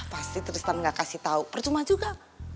pasti tristan gak kasih tahu percuma juga